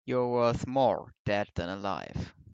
You're worth more dead than alive.